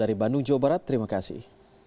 dari bandung jawa barat terima kasih